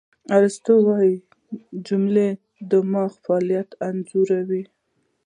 ارسطو وایي، جمله د دماغ فعالیت انځوروي.